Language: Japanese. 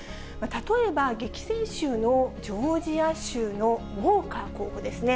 例えば、激戦州のジョージア州のウォーカー候補ですね。